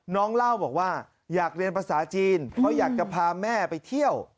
เล่าบอกว่าอยากเรียนภาษาจีนเพราะอยากจะพาแม่ไปเที่ยว